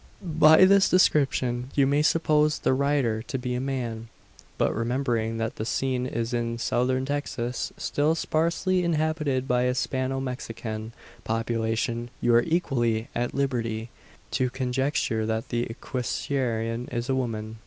By this description, you may suppose the rider to be a man; but, remembering that the scene is in Southern Texas still sparsely inhabited by a Spano Mexican population you are equally at liberty to conjecture that the equestrian is a woman.